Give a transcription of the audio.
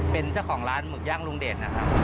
เป็นเจ้าของร้านหมึกย่างลุงเด็ด